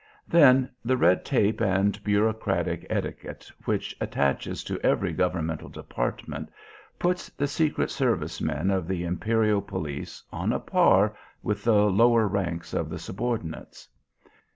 Then, the red tape and bureaucratic etiquette which attaches to every governmental department, puts the secret service men of the Imperial police on a par with the lower ranks of the subordinates.